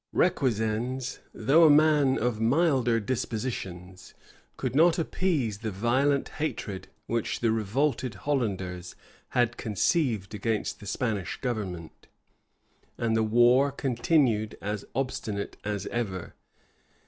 Requesens, though a man of milder dispositions, could not appease the violent hatred which the revolted Hollanders had conceived against the Spanish government; and the war continued as obstinate as ever.